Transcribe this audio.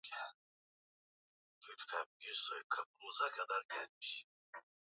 Kaka wewe ni wa maana.